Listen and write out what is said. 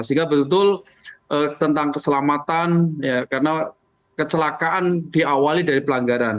sehingga betul betul tentang keselamatan karena kecelakaan diawali dari pelanggaran